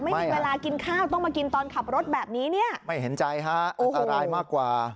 ไม่มีเวลากินข้าวต้องมากินตอนขับรถแบบนี้เนี่ยไม่เห็นใจฮะอันตรายมากกว่า